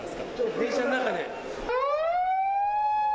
電車の中で。